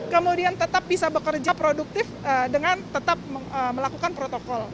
kemudian tetap bisa bekerja produktif dengan tetap melakukan protokol